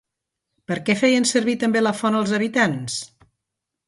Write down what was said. Per a què feien servir també la font els habitants?